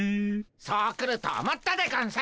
そう来ると思ったでゴンス。